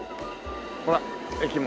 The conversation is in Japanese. ほら駅も。